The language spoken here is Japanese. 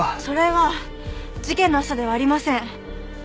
それは事件の朝ではありません。